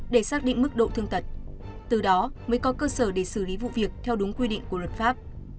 để xác định mức độ thương tật từ đó mới có cơ sở để xử lý vụ việc theo đúng quy định của luật pháp